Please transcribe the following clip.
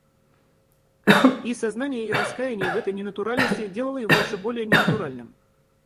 И сознание и раскаяние в этой ненатуральности делало его еще более ненатуральным.